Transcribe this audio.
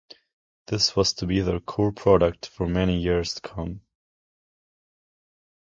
This was to be their core product for many years to come.